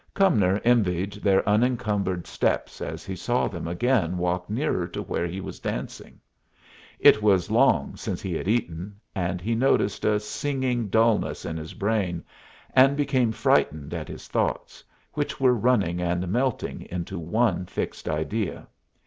Cumnor envied their unencumbered steps as he saw them again walk nearer to where he was dancing. It was long since he had eaten, and he noticed a singing dulness in his brain, and became frightened at his thoughts, which were running and melting into one fixed idea.